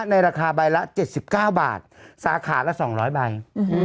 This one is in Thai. ในราคาใบละเจ็ดสิบเก้าบาทสาขาละสองร้อยใบอือฮือ